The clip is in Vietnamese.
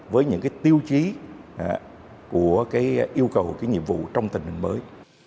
với những cái tiêu chí của cái yêu cầu cái nhiệm vụ trong tình hình mới